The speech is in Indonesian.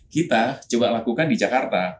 kita coba lakukan di jakarta